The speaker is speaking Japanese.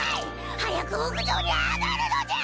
早く屋上に上がるのじゃ！